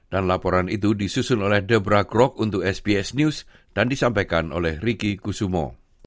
dan laporan itu disusun oleh debra krok untuk sbs news dan disampaikan oleh ricky kusumo